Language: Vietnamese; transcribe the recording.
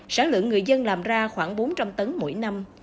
sản lượng người dân làm ra khoảng bốn trăm linh tấn mỗi năm